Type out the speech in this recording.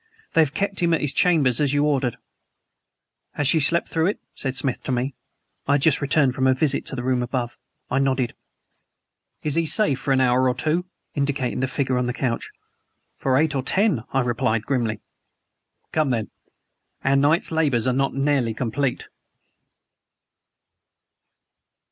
"They have kept him at his chambers as you ordered." "Has she slept through it?" said Smith to me. (I had just returned from a visit to the room above.) I nodded. "Is HE safe for an hour or two?" indicating the figure on the couch. "For eight or ten," I replied grimly. "Come, then. Our night's labors are not nearly complete."